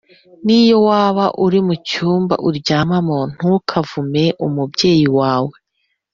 Niyo waba uri mu cyumba uryamamo ntukavume umubyeyi wawe